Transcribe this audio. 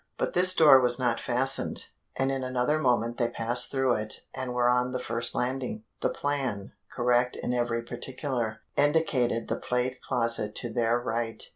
But this door was not fastened, and in another moment they passed through it and were on the first landing. The plan, correct in every particular, indicated the plate closet to their right.